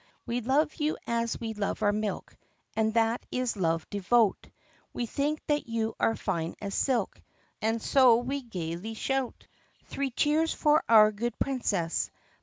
"We love you as we love our milk, And that is love devout; We think that you are fine as silk, And so we gayly shout: CHORUS "Three cheers for our good Princess!